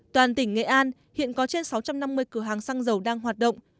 toàn tỉnh nghệ an hiện có trên sáu trăm năm mươi cửa hàng xăng dầu đang hoạt động